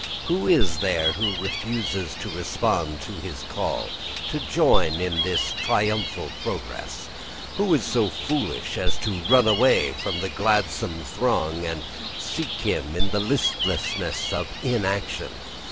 Who is there who refuses to respond to his call to join in this triumphal progress? Who so foolish as to run away from the gladsome throng and seek him in the listlessness of inaction?